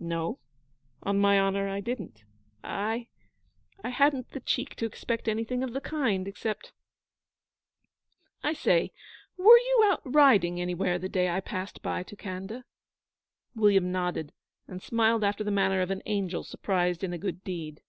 'No, on my honour, I didn't. I hadn't the the cheek to expect anything of the kind, except... I say, were you out riding anywhere the day I passed by to Khanda?' William nodded, and smiled after the manner of an angel surprised in a good deed.